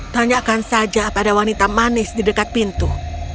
tanyakan saja pada wanita manis di dekat pintu